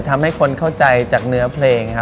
ทำให้คนเข้าใจจากเนื้อเพลงครับ